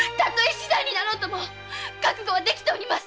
死罪になろうとも覚悟はできています。